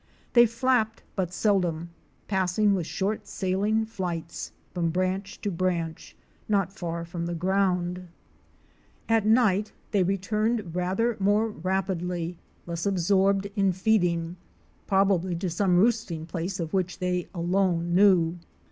They flapped but seldom, passing with short sailing flights from branch to branch not far from the ground. 174 OUR SEARCH FOR A WILDERNESS. At night they returned rather more rapidly — less absorbed in feeding — probably to some roosting place of which they alone knew.